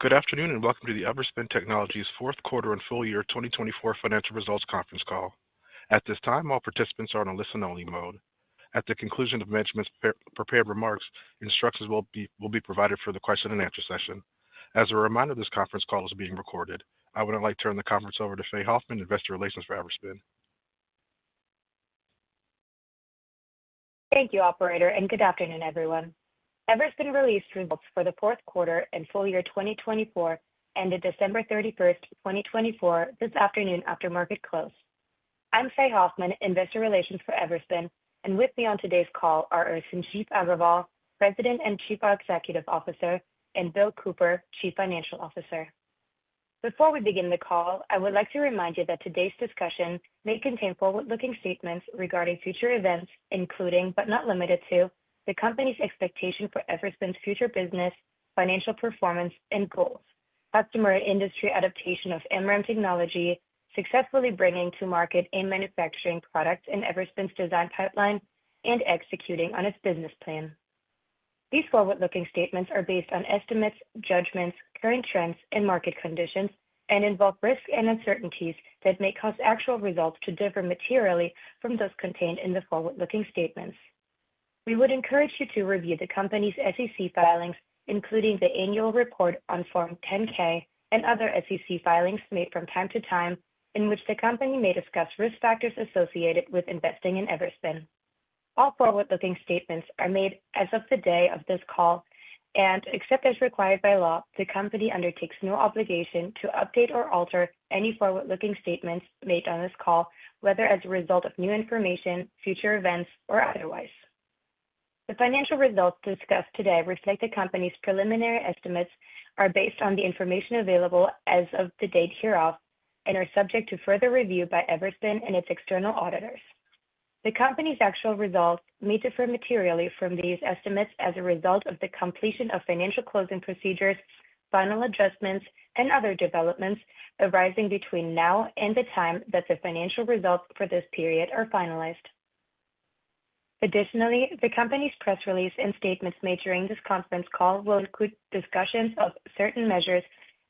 Good afternoon and welcome to the Everspin Technologies' Fourth Quarter and Full Year 2024 Financial Results Conference Call. At this time, all participants are on a listen-only mode. At the conclusion of management's prepared remarks, instructions will be provided for the Q&A session. As a reminder, this conference call is being recorded. I would now like to turn the conference over to Faye Hoffman, Investor Relations for Everspin. Thank you, Operator, and good afternoon, everyone. Everspin released results for the Fourth Quarter and Full Year 2024 ended December 31, 2024, this afternoon after market close. I'm Faye Hoffman, Investor Relations for Everspin, and with me on today's call are Sanjeev Aggarwal, President and Chief Executive Officer, and Bill Cooper, Chief Financial Officer. Before we begin the call, I would like to remind you that today's discussion may contain forward-looking statements regarding future events, including, but not limited to, the company's expectation for Everspin's future business, financial performance, and goals, customer and industry adaptation of MRAM technology, successfully bringing to market a manufacturing product in Everspin's design pipeline, and executing on its business plan. These forward-looking statements are based on estimates, judgments, current trends, and market conditions, and involve risks and uncertainties that may cause actual results to differ materially from those contained in the forward-looking statements. We would encourage you to review the company's SEC filings, including the annual report on Form 10-K and other SEC filings made from time to time, in which the company may discuss risk factors associated with investing in Everspin. All forward-looking statements are made as of the day of this call, and except as required by law, the company undertakes no obligation to update or alter any forward-looking statements made on this call, whether as a result of new information, future events, or otherwise. The financial results discussed today reflect the company's preliminary estimates, are based on the information available as of the date hereof, and are subject to further review by Everspin and its external auditors. The company's actual results may differ materially from these estimates as a result of the completion of financial closing procedures, final adjustments, and other developments arising between now and the time that the financial results for this period are finalized. Additionally, the company's press release and statements made during this conference call will include discussions of certain measures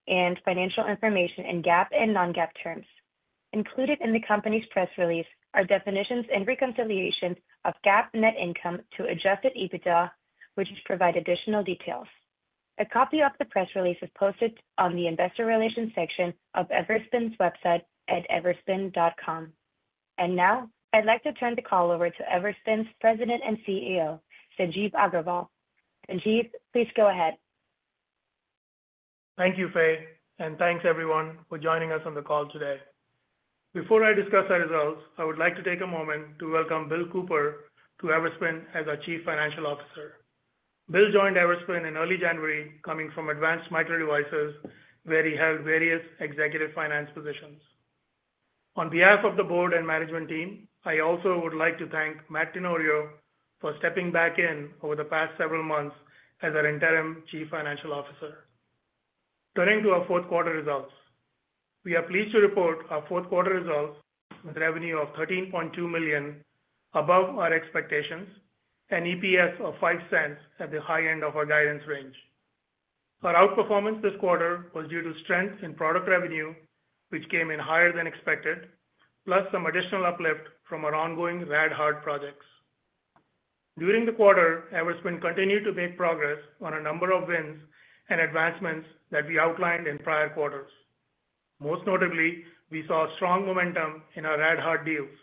and financial information in GAAP and non-GAAP terms. Included in the company's press release are definitions and reconciliations of GAAP net income to adjusted EBITDA, which provide additional details. A copy of the press release is posted on the Investor Relations section of Everspin's website at everspin.com. I would like to turn the call over to Everspin's President and CEO, Sanjeev Aggarwal. Sanjeev, please go ahead. Thank you, Faye, and thanks everyone for joining us on the call today. Before I discuss our results, I would like to take a moment to welcome Bill Cooper to Everspin as our Chief Financial Officer. Bill joined Everspin in early January, coming from Advanced Micro Devices, where he held various executive finance positions. On behalf of the board and management team, I also would like to thank Matt Tenorio for stepping back in over the past several months as our interim Chief Financial Officer. Turning to our fourth quarter results, we are pleased to report our fourth quarter results with revenue of $13.2 million above our expectations, an EPS of $0.05 at the high end of our guidance range. Our outperformance this quarter was due to strength in product revenue, which came in higher than expected, plus some additional uplift from our ongoing rad-hard projects. During the quarter, Everspin continued to make progress on a number of wins and advancements that we outlined in prior quarters. Most notably, we saw strong momentum in our rad-hard deals.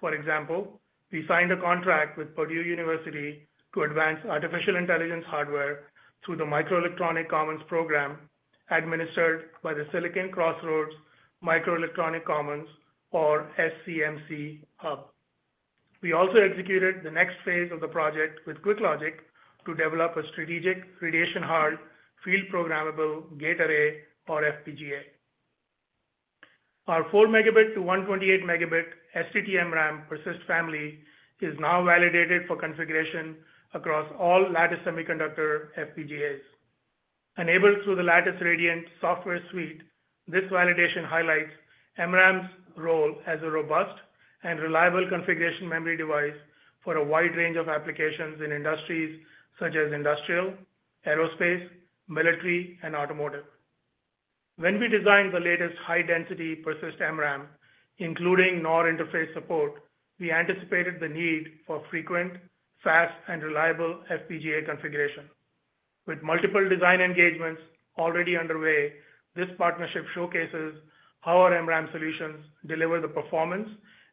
For example, we signed a contract with Purdue University to advance artificial intelligence hardware through the Microelectronics Commons program administered by the Silicon Crossroads Microelectronics Commons, or SCMC Hub. We also executed the next phase of the project with QuickLogic to develop a strategic radiation hard field programmable gate array, or FPGA. Our 4 megabit to 128 megabit STT MRAM PERSYST family is now validated for configuration across all Lattice Semiconductor FPGAs. Enabled through the Lattice Radiant software suite, this validation highlights MRAM's role as a robust and reliable configuration memory device for a wide range of applications in industries such as industrial, aerospace, military, and automotive. When we designed the latest high-density PERSYST MRAM, including NOR interface support, we anticipated the need for frequent, fast, and reliable FPGA configuration. With multiple design engagements already underway, this partnership showcases how our MRAM solutions deliver the performance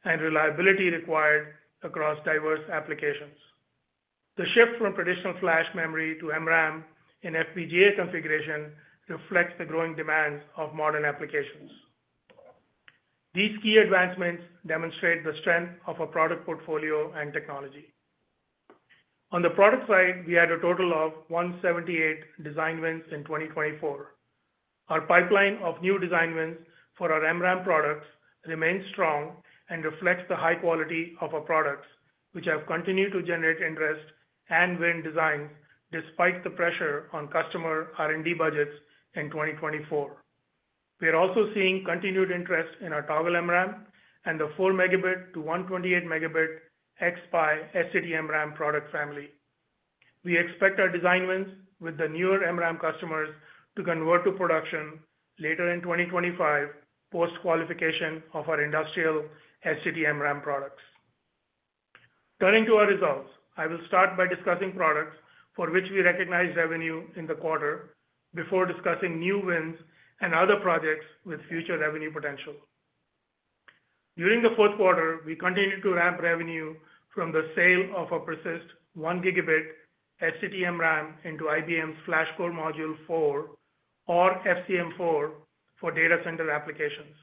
and reliability required across diverse applications. The shift from traditional flash memory to MRAM in FPGA configuration reflects the growing demands of modern applications. These key advancements demonstrate the strength of our product portfolio and technology. On the product side, we had a total of 178 design wins in 2024. Our pipeline of new design wins for our MRAM products remains strong and reflects the high quality of our products, which have continued to generate interest and win designs despite the pressure on customer R&D budgets in 2024. We are also seeing continued interest in our Toggle MRAM and the 4 megabit to 128 megabit xSPI STT MRAM product family. We expect our design wins with the newer MRAM customers to convert to production later in 2025 post-qualification of our industrial STT MRAM products. Turning to our results, I will start by discussing products for which we recognize revenue in the quarter before discussing new wins and other projects with future revenue potential. During the fourth quarter, we continued to ramp revenue from the sale of our PERSYST 1 gigabit STT MRAM into IBM's FlashCore Module 4, or FCM 4, for data center applications.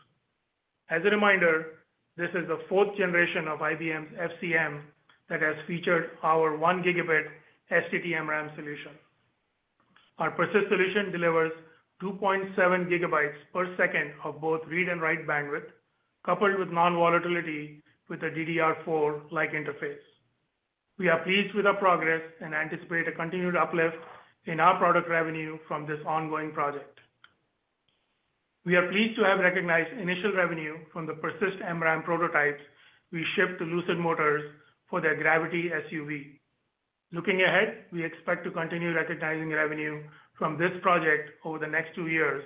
As a reminder, this is the fourth generation of IBM's FCM that has featured our 1 gigabit STT MRAM solution. Our PERSYST solution delivers 2.7 gigabytes per second of both read and write bandwidth, coupled with non-volatility with a DDR4-like interface. We are pleased with our progress and anticipate a continued uplift in our product revenue from this ongoing project. We are pleased to have recognized initial revenue from the PERSYST MRAM prototypes we shipped to Lucid Motors for their Gravity SUV. Looking ahead, we expect to continue recognizing revenue from this project over the next two years,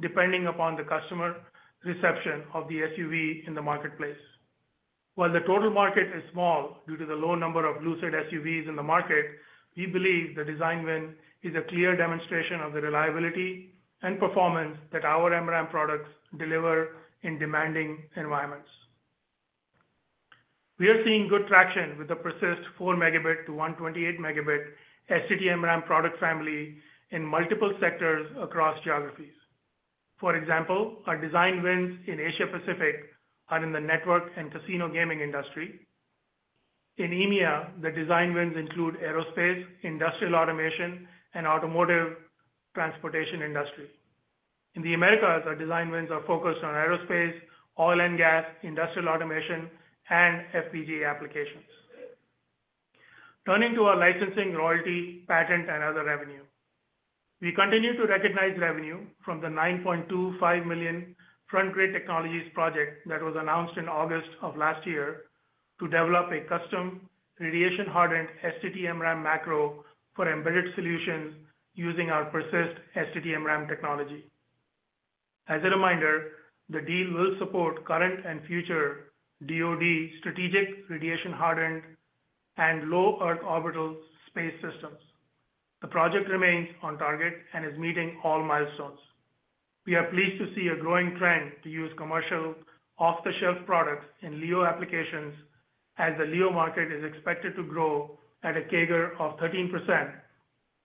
depending upon the customer reception of the SUV in the marketplace. While the total market is small due to the low number of Lucid SUVs in the market, we believe the design win is a clear demonstration of the reliability and performance that our MRAM products deliver in demanding environments. We are seeing good traction with the PERSYST 4 megabit to 128 megabit STT MRAM product family in multiple sectors across geographies. For example, our design wins in Asia-Pacific are in the network and casino gaming industry. In EMEA, the design wins include aerospace, industrial automation, and automotive transportation industry. In the Americas, our design wins are focused on aerospace, oil and gas, industrial automation, and FPGA applications. Turning to our licensing, royalty, patent, and other revenue, we continue to recognize revenue from the $9.25 million Frontgrade Technologies project that was announced in August of last year to develop a custom radiation hardened STT MRAM macro for embedded solutions using our PERSYST STT MRAM technology. As a reminder, the deal will support current and future DOD strategic radiation hardened and low Earth orbital space systems. The project remains on target and is meeting all milestones. We are pleased to see a growing trend to use commercial off-the-shelf products in LEO applications as the LEO market is expected to grow at a CAGR of 13%,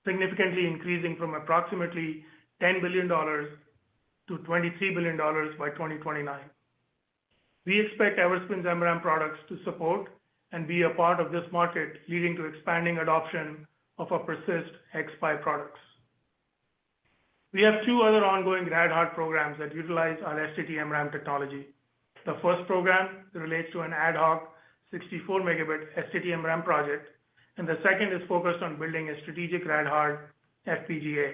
significantly increasing from approximately $10 billion to $23 billion by 2029. We expect Everspin's MRAM products to support and be a part of this market, leading to expanding adoption of our PERSYST xSPI products. We have two other ongoing rad-hard programs that utilize our STT MRAM technology. The first program relates to an ad hoc 64 megabit STT MRAM project, and the second is focused on building a strategic rad-hard FPGA.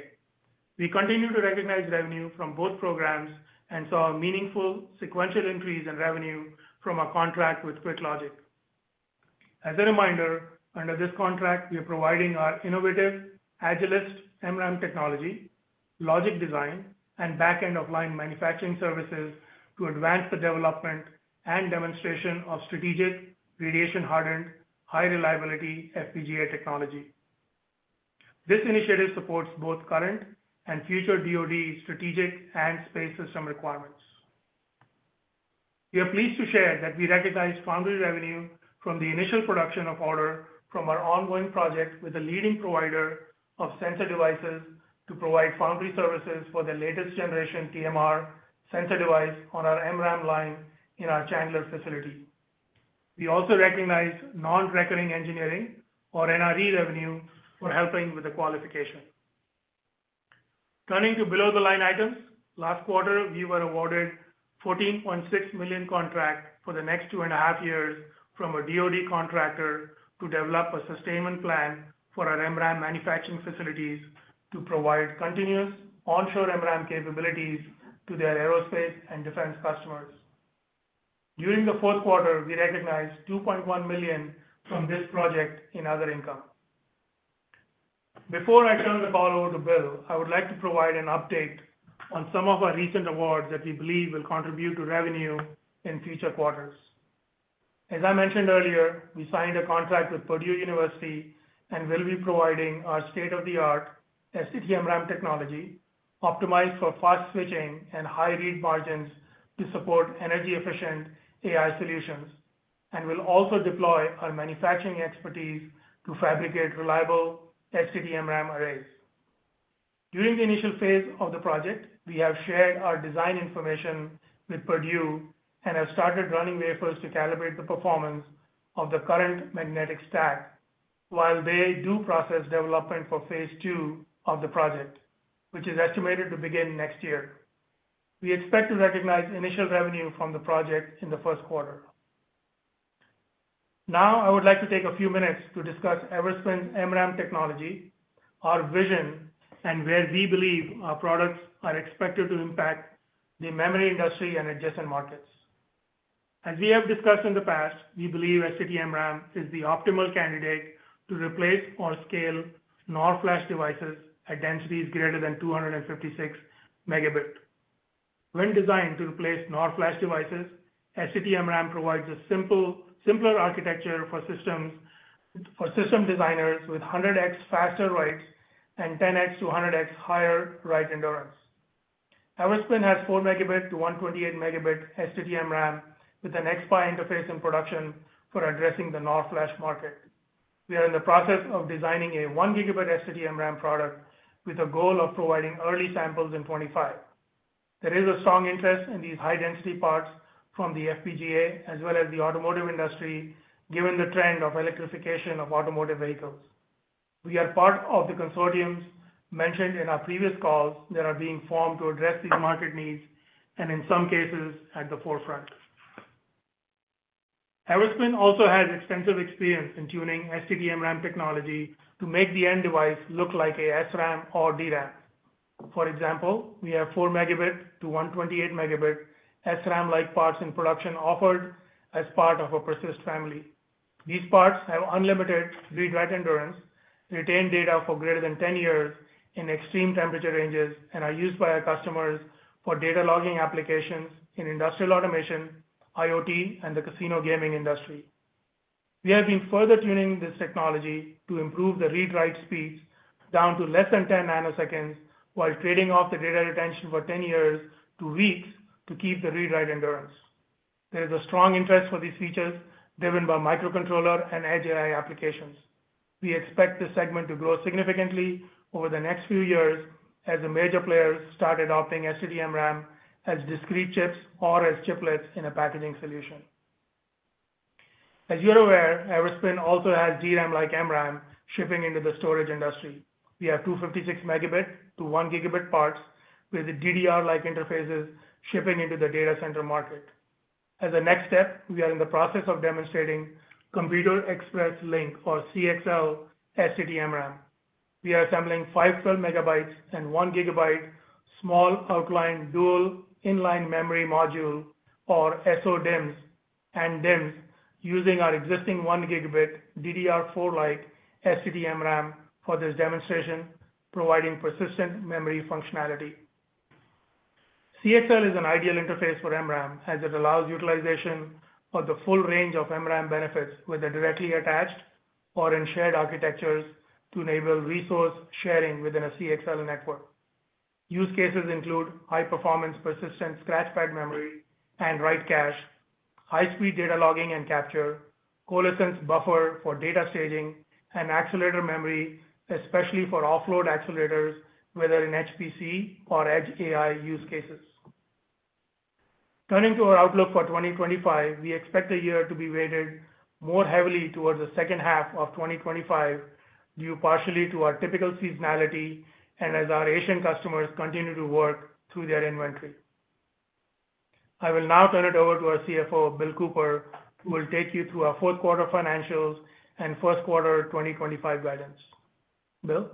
We continue to recognize revenue from both programs and saw a meaningful sequential increase in revenue from our contract with QuickLogic. As a reminder, under this contract, we are providing our innovative AGILYST MRAM technology, logic design, and back-end of line manufacturing services to advance the development and demonstration of strategic radiation hardened high-reliability FPGA technology. This initiative supports both current and future DOD strategic and space system requirements. We are pleased to share that we recognize foundry revenue from the initial production of order from our ongoing project with a leading provider of sensor devices to provide foundry services for the latest generation TMR sensor device on our MRAM line in our Chandler facility. We also recognize non-recurring engineering, or NRE, revenue for helping with the qualification. Turning to below-the-line items, last quarter, we were awarded a $14.6 million contract for the next two and a half years from a DOD contractor to develop a sustainment plan for our MRAM manufacturing facilities to provide continuous onshore MRAM capabilities to their aerospace and defense customers. During the fourth quarter, we recognized $2.1 million from this project in other income. Before I turn the call over to Bill, I would like to provide an update on some of our recent awards that we believe will contribute to revenue in future quarters. As I mentioned earlier, we signed a contract with Purdue University and will be providing our state-of-the-art STT MRAM technology optimized for fast switching and high read margins to support energy-efficient AI solutions, and will also deploy our manufacturing expertise to fabricate reliable STT MRAM arrays. During the initial phase of the project, we have shared our design information with Purdue and have started running wafers to calibrate the performance of the current magnetic stack while they do process development for phase two of the project, which is estimated to begin next year. We expect to recognize initial revenue from the project in the first quarter. Now, I would like to take a few minutes to discuss Everspin's MRAM technology, our vision, and where we believe our products are expected to impact the memory industry and adjacent markets. As we have discussed in the past, we believe STT MRAM is the optimal candidate to replace or scale NOR flash devices at densities greater than 256 megabit. When designed to replace NOR flash devices, STT MRAM provides a simpler architecture for system designers with 100x faster writes and 10x-100x higher write endurance. Everspin has 4 megabit to 128 megabit STT MRAM with an xSPI interface in production for addressing the NOR flash market. We are in the process of designing a 1 gigabit STT MRAM product with a goal of providing early samples in 2025. There is a strong interest in these high-density parts from the FPGA as well as the automotive industry given the trend of electrification of automotive vehicles. We are part of the consortiums mentioned in our previous calls that are being formed to address these market needs and, in some cases, at the forefront. Everspin also has extensive experience in tuning STT MRAM technology to make the end device look like a SRAM or DRAM. For example, we have 4 megabit to 128 megabit SRAM-like parts in production offered as part of a PERSYST family. These parts have unlimited read-write endurance, retain data for greater than 10 years in extreme temperature ranges, and are used by our customers for data logging applications in industrial automation, IoT, and the casino gaming industry. We have been further tuning this technology to improve the read-write speeds down to less than 10 nanoseconds while trading off the data retention for 10 years to weeks to keep the read-write endurance. There is a strong interest for these features driven by microcontroller and edge AI applications. We expect this segment to grow significantly over the next few years as the major players start adopting STT MRAM as discrete chips or as chiplets in a packaging solution. As you're aware, Everspin also has DRAM-like MRAM shipping into the storage industry. We have 256 megabit to 1 gigabit parts with the DDR-like interfaces shipping into the data center market. As a next step, we are in the process of demonstrating Compute Express Link, or CXL, STT MRAM. We are assembling 512 megabytes and 1 gigabyte Small Outline Dual In-line Memory Module, or SODIMMs, and DIMMs using our existing 1 gigabit DDR4-like STT MRAM for this demonstration, providing persistent memory functionality. CXL is an ideal interface for MRAM as it allows utilization of the full range of MRAM benefits whether directly attached or in shared architectures to enable resource sharing within a CXL network. Use cases include high-performance persistent scratchpad memory and write cache, high-speed data logging and capture, coalescence buffer for data staging, and accelerator memory, especially for offload accelerators, whether in HPC or edge AI use cases. Turning to our outlook for 2025, we expect the year to be weighted more heavily towards the second half of 2025 due partially to our typical seasonality and as our Asian customers continue to work through their inventory. I will now turn it over to our CFO, Bill Cooper, who will take you through our fourth quarter financials and first quarter 2025 guidance. Bill?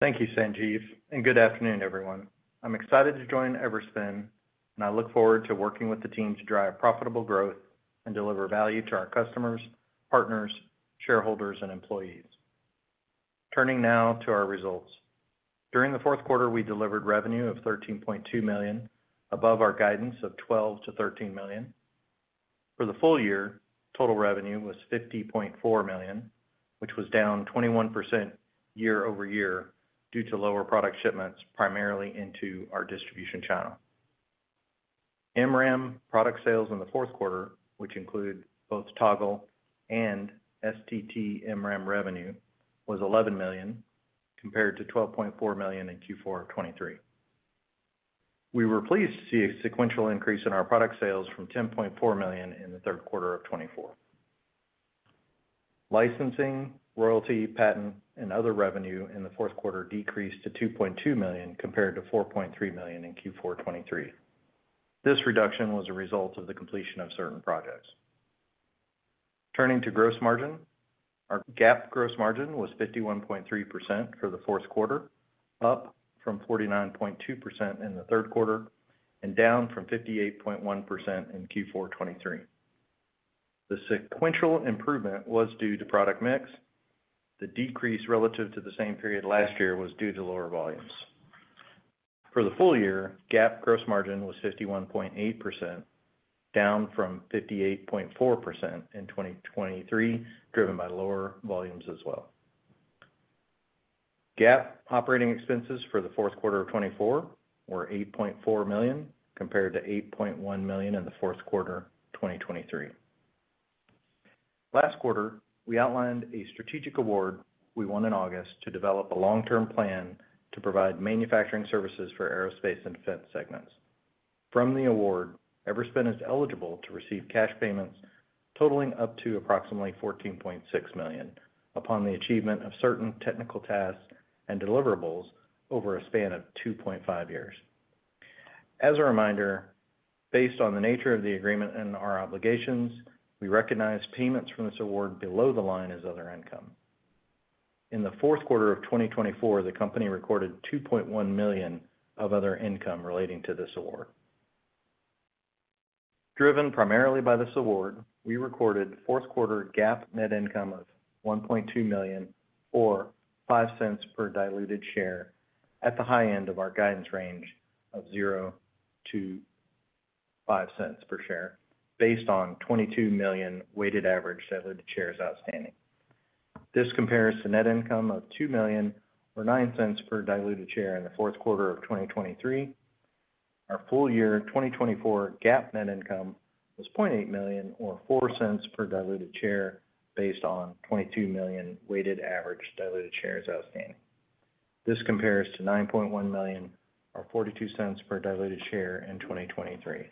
Thank you, Sanjeev, and good afternoon, everyone. I'm excited to join Everspin, and I look forward to working with the team to drive profitable growth and deliver value to our customers, partners, shareholders, and employees. Turning now to our results. During the fourth quarter, we delivered revenue of $13.2 million above our guidance of $12-$13 million. For the full year, total revenue was $50.4 million, which was down 21% year-over-year due to lower product shipments primarily into our distribution channel. MRAM product sales in the fourth quarter, which include both Toggle and STT MRAM revenue, was $11 million compared to $12.4 million in Q4 of 2023. We were pleased to see a sequential increase in our product sales from $10.4 million in the third quarter of 2024. Licensing, royalty, patent, and other revenue in the fourth quarter decreased to $2.2 million compared to $4.3 million in Q4 2023. This reduction was a result of the completion of certain projects. Turning to gross margin, our GAAP gross margin was 51.3% for the fourth quarter, up from 49.2% in the third quarter and down from 58.1% in Q4 2023. The sequential improvement was due to product mix. The decrease relative to the same period last year was due to lower volumes. For the full year, GAAP gross margin was 51.8%, down from 58.4% in 2023, driven by lower volumes as well. GAAP operating expenses for the fourth quarter of 2024 were $8.4 million compared to $8.1 million in the fourth quarter of 2023. Last quarter, we outlined a strategic award we won in August to develop a long-term plan to provide manufacturing services for aerospace and defense segments. From the award, Everspin is eligible to receive cash payments totaling up to approximately $14.6 million upon the achievement of certain technical tasks and deliverables over a span of 2.5 years. As a reminder, based on the nature of the agreement and our obligations, we recognize payments from this award below the line as other income. In the fourth quarter of 2024, the company recorded $2.1 million of other income relating to this award. Driven primarily by this award, we recorded fourth quarter GAAP net income of $1.2 million, or $0.05 per diluted share, at the high end of our guidance range of $0-$0.05 per share based on 22 million weighted average diluted shares outstanding. This compares to net income of $2 million, or $0.09 per diluted share in the fourth quarter of 2023. Our full year 2024 GAAP net income was $0.8 million, or $0.04 per diluted share based on 22 million weighted average diluted shares outstanding. This compares to $9.1 million, or $0.42 per diluted share in 2023.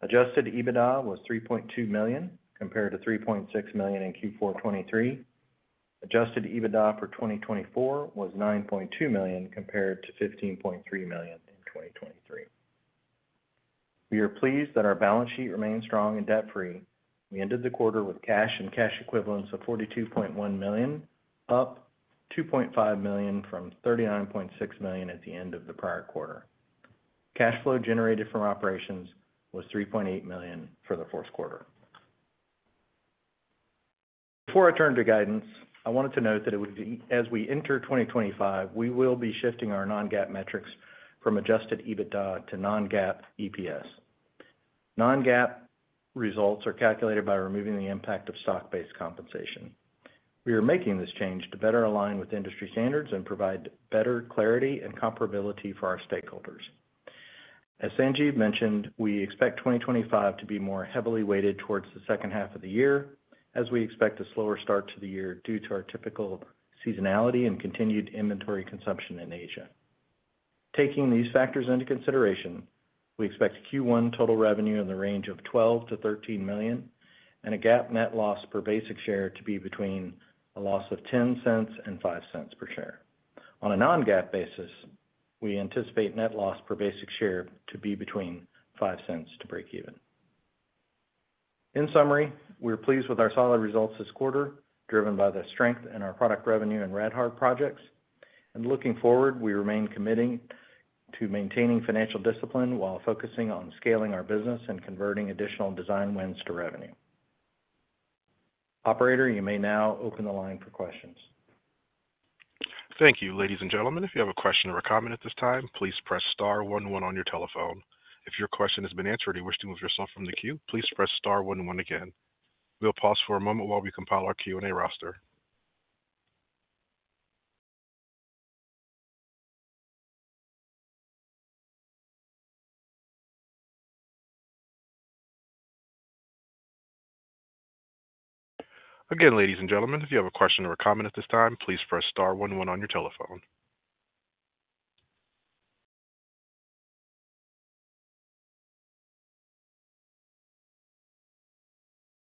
Adjusted EBITDA was $3.2 million compared to $3.6 million in Q4 2023. Adjusted EBITDA for 2024 was $9.2 million compared to $15.3 million in 2023. We are pleased that our balance sheet remains strong and debt-free. We ended the quarter with cash and cash equivalents of $42.1 million, up $2.5 million from $39.6 million at the end of the prior quarter. Cash flow generated from operations was $3.8 million for the fourth quarter. Before I turn to guidance, I wanted to note that as we enter 2025, we will be shifting our non-GAAP metrics from adjusted EBITDA to non-GAAP EPS. Non-GAAP results are calculated by removing the impact of stock-based compensation. We are making this change to better align with industry standards and provide better clarity and comparability for our stakeholders. As Sanjeev mentioned, we expect 2025 to be more heavily weighted towards the second half of the year as we expect a slower start to the year due to our typical seasonality and continued inventory consumption in Asia. Taking these factors into consideration, we expect Q1 total revenue in the range of $12-$13 million and a GAAP net loss per basic share to be between a loss of $0.10 and $0.05 per share. On a non-GAAP basis, we anticipate net loss per basic share to be between $0.05 to breakeven. In summary, we're pleased with our solid results this quarter driven by the strength in our product revenue and rad-hard projects. And looking forward, we remain committed to maintaining financial discipline while focusing on scaling our business and converting additional design wins to revenue. Operator, you may now open the line for questions. Thank you, ladies and gentlemen. If you have a question or a comment at this time, please press star one one on your telephone. If your question has been answered and you wish to remove yourself from the queue, please press star one one again. We'll pause for a moment while we compile our Q&A roster. Again, ladies and gentlemen, if you have a question or a comment at this time, please press star one one on your telephone.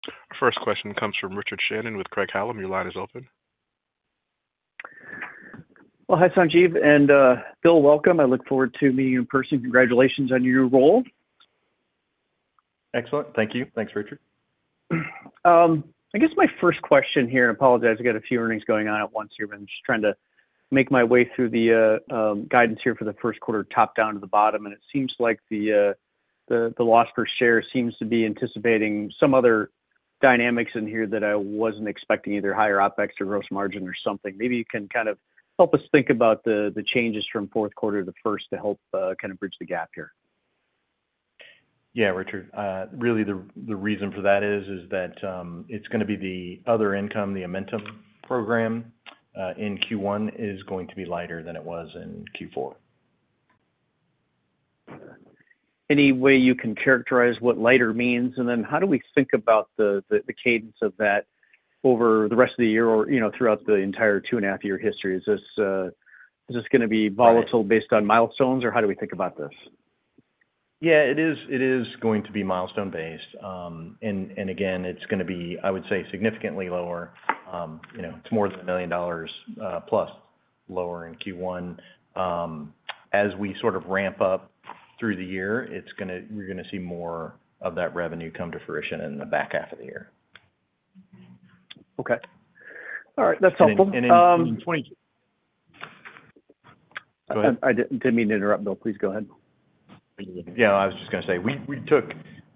Our first question comes from Richard Shannon with Craig-Hallum. Your line is open. Hi, Sanjeev, and Bill, welcome. I look forward to meeting you in person. Congratulations on your new role. Excellent. Thank you. Thanks, Richard. I guess my first question here, and I apologize, I got a few earnings going on at once. You've been just trying to make my way through the guidance here for the first quarter top down to the bottom. It seems like the the loss per share seems to be anticipating some other dynamics in here that I wasn't expecting, either higher OpEx or gross margin or something. Maybe you can kind of help us think about the changes from fourth quarter to the first to help kind of bridge the gap here. Yeah, Richard. Really, the reason for that is that it's going to be the other income, the Amentum program in Q1 is going to be lighter than it was in Q4. Any way you can characterize what lighter means? And how do we think about the cadence of that over the rest of the year, you know, or throughout the entire two-and-a-half-year history? Is this, is this going to be volatile based on milestones, or how do we think about this? Yeah, it is, it is going to be milestone-based. And again, it's going to be, I would say, significantly lower. It's more than $1 million plus lower in Q1. As we sort of ramp up through the year, it's we're going to see more of that revenue come to fruition in the back half of the year. Okay. All right. That's helpful. In 2022. Go ahead. Didn't mean to interrupt, Bill. Please go ahead. Yeah, I was just going to say we took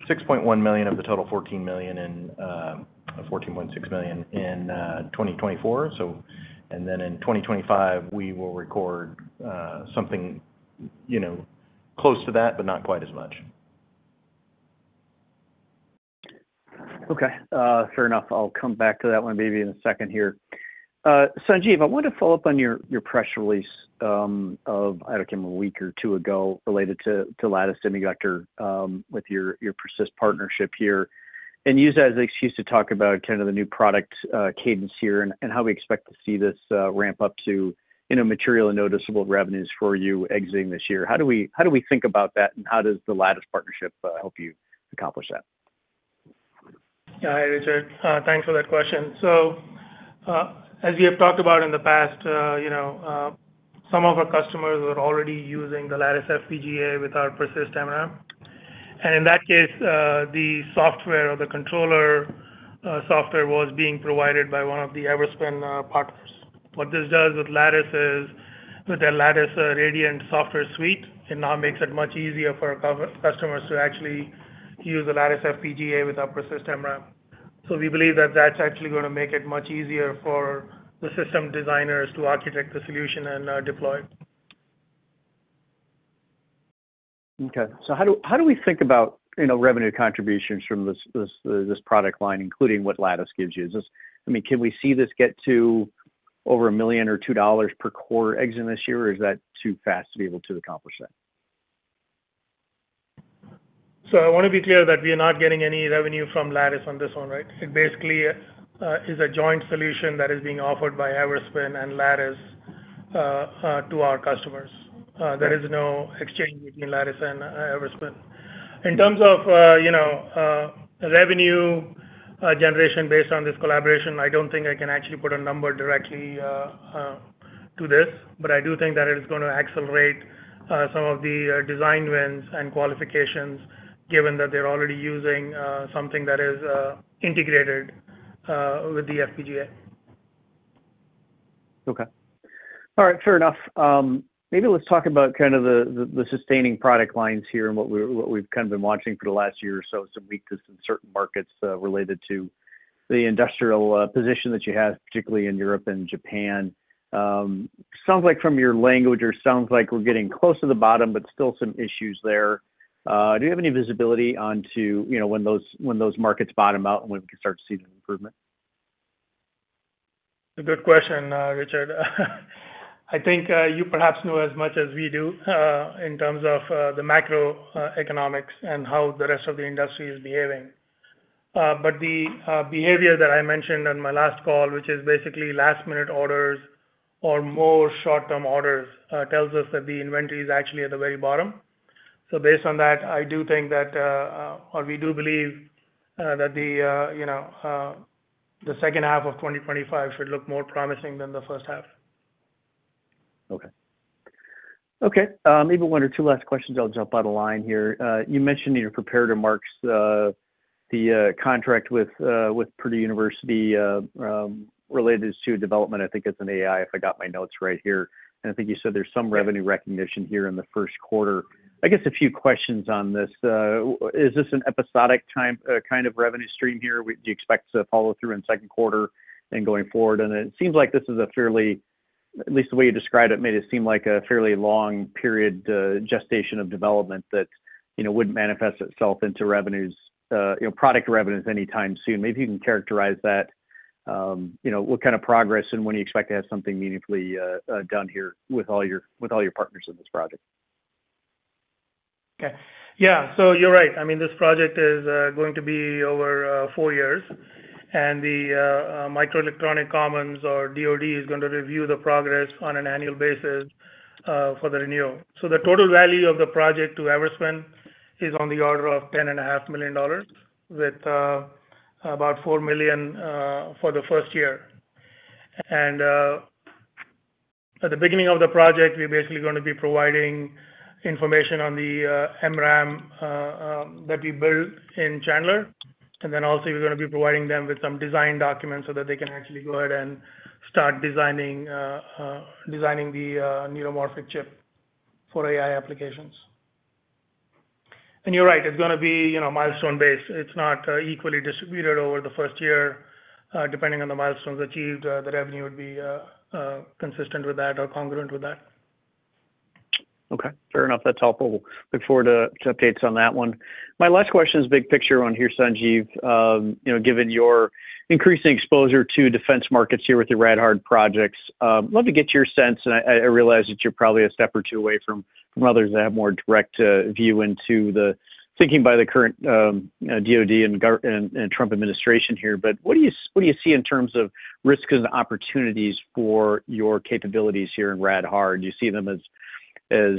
$6.1 million of the total $14 million in 2024. So, and then in 2025, we will record something, you know, close to that, but not quite as much. Okay. Fair enough. I'll come back to that one maybe in a second here. Sanjeev, I want to follow up on your press release of, I don't know, a week or two ago related to Lattice Semiconductor with your PERSYST Partnership here and use that as an excuse to talk about kind of the new product cadence here and how we expect to see this ramp up to material and noticeable revenues for you exiting this year. How do we, how do we think about that, and how does the Lattice Partnership help you accomplish that? Yeah, hi Richard. Thanks for that question. So as we have talked about in the past, some of our customers are already using the Lattice FPGA with our PERSYST MRAM. And in that case, the software or the controller software was being provided by one of the Everspin partners. What this does with Lattice is with their Lattice Radiant software suite, it now makes it much easier for our customers to actually use the Lattice FPGA with our PERSYST MRAM. So we believe that that's actually going to make it much easier for the system designers to architect the solution and deploy. Okay. So how do we think about revenue contributions from this this product line, including what Lattice gives you? I mean, can we see this get to over a million or $2 per quarter exiting this year, or is that too fast to be able to accomplish that? So I want to be clear that we are not getting any revenue from Lattice on this one, right? It basically is a joint solution that is being offered by Everspin and Lattice to our customers. There is no exchange between Lattice and Everspin. In terms of, you know, revenue generation based on this collaboration, I don't think I can actually put a number directly to this, but I do think that it is going to accelerate some of the design wins and qualifications given that they're already using something that is integrated with the FPGA. Okay. All right. Fair enough. Maybe let's talk about kind of the sustaining product lines here and what we've kind of been watching for the last year or so, some weakness in certain markets related to the industrial position that you have, particularly in Europe and Japan. Sounds like from your language, or sounds like we're getting close to the bottom, but still some issues there. Do you have any visibility onto when those markets bottom out and when we can start to see an improvement? Good question, Richard. I think you perhaps know as much as we do in terms of the macroeconomics and how the rest of the industry is behaving. The behavior that I mentioned on my last call, which is basically last-minute orders or more short-term orders, tells us that the inventory is actually at the very bottom. So based on that, I do think that, or we do believe that the, you know, the second half of 2025 should look more promising than the first half. Okay. Okay. Maybe one or two last questions. I'll jump out of line here. You mentioned you're prepared to mark the contract with Purdue University related to development. I think it's an AI, if I got my notes right here. I think you said there's some revenue recognition here in the first quarter. I guess a few questions on this. Is this an episodic kind of revenue stream here? Do you expect to follow through in second quarter and going forward? It seems like this is a fairly, at least the way you described it, made it seem like a fairly long period gestation of development that would manifest itself into revenues, product revenues anytime soon. Maybe you can characterize that. You know, what kind of progress and when you expect to have something meaningfully done here, with all your, with all your partners in this project? Okay. Yeah. So you are right. I mean, this project is going to be over four years. And the Microelectronics Commons, or DOD, is going to review the progress on an annual basis for the renewal. So the total value of the project to Everspin is on the order of $10.5 million with about $4 million for the first year. And at the beginning of the project, we're basically going to be providing information on the MRAM that we built in Chandler. We are also going to be providing them with some design documents so that they can actually go ahead and start designing, designing the neuromorphic chip for AI applications. And you're right. It's going to be milestone-based. It's not equally distributed over the first year. Depending on the milestones achieved, the revenue would be consistent with that or congruent with that. Okay. Fair enough. That's helpful. Look forward to updates on that one. My last question is big picture on here, Sanjeev. Given your increasing exposure to defense markets here with the rad-hard projects, I'd love to get your sense. I realize that you're probably a step or two away from others that have more direct view into the thinking by the current DOD and Trump administration here. What do you see in terms of risks and opportunities for your capabilities here in rad-hard? Do you see them as, do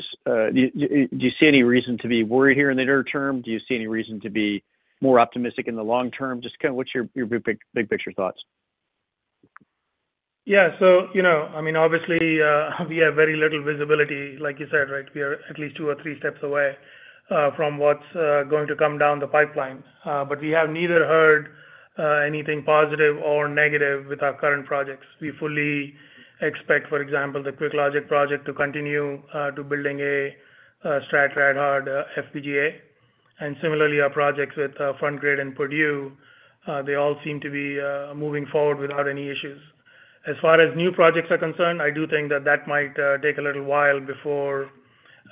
you see any reason to be worried here in the near term? Do you see any reason to be more optimistic in the long term? Just kind of what's your big picture thoughts? Yeah. So you know, I mean, obviously, we have very little visibility, like you said, right? We are at least two or three steps away from what's going to come down the pipeline. But we have neither heard anything positive or negative with our current projects. We fully expect, for example, the QuickLogic project to continue to building a strat rad-hard FPGA. And similarly, our projects with Frontgrade and Purdue, they all seem to be moving forward without any issues. As far as new projects are concerned, I do think that that might take a little while before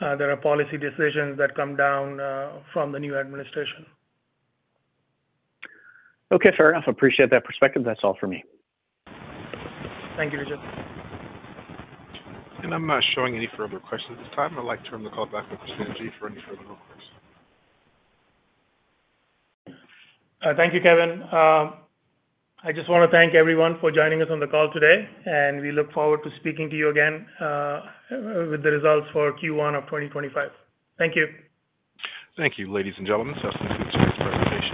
there are policy decisions that come down from the new administration. Okay. Fair enough. Appreciate that perspective. That's all for me. Thank you, Richard. I'm not showing any further questions at this time. I'd like to turn the call back over to Sanjeev for any further requests. Thank you, Kevin. I just want to thank everyone for joining us on the call today. We look forward to speaking to you again with the results for Q1 of 2025. Thank you. Thank you, ladies and gentlemen. That's the conclusion of the presentation.